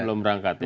belum berangkat ya